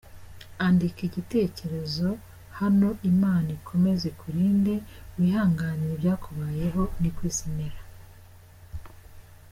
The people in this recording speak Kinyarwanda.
Anmdika Igitekerezo Hanoiimana ikomeze ikurinde wihanganire ibyakubayehi nikwisi imera.